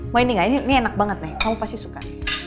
wah ini enggak ini enak banget nih kamu pasti suka